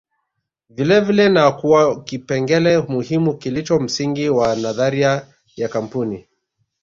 vilevile na kuwa kipengele muhimu kilicho msingi wa nadharia ya kampuni